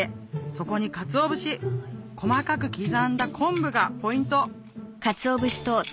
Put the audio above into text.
そこにかつお節細かく刻んだ昆布がポイント